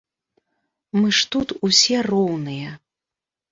Мы ж тут усе роўныя!